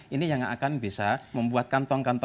ini yang akan bisa membuat kantong kantong